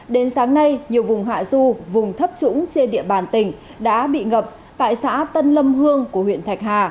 đến sáng nay nhiều vùng hạ du vùng thấp trũng trên địa bàn tỉnh đã bị ngập tại xã tân lâm hương của huyện thạch hà